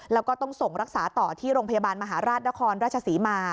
แล้วก็ต้องส่งรักษาต่อที่โรงพยาบาลมหาราชนครราชศรีมา